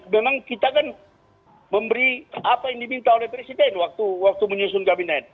memang kita kan memberi apa yang diminta oleh presiden waktu menyusun kabinet